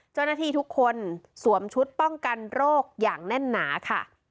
เจ้าหน้าที่ทุกคนสวมชุดป้องกันโรคอย่างแน่นหนาค่ะ